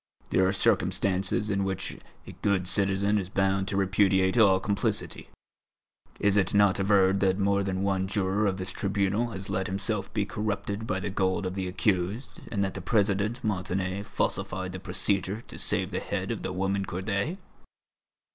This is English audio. There are circumstances in which a good citizen is bound to repudiate all complicity. Is it not averred that more than one juror of this tribunal has let himself be corrupted by the gold of the accused, and that the President Montané falsified the procedure to save the head of the woman Corday?"